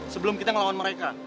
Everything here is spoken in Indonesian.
sebelum kita ngelawan mereka